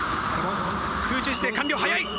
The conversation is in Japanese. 空中姿勢完了早い！